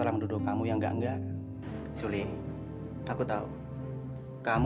eva hari ini juga kamu aku pecat